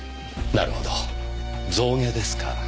なるほど象牙ですか。